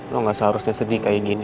lo gak seharusnya sedih kayak gini